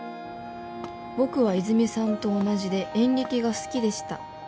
「僕は泉さんと同じで演劇が好きでした」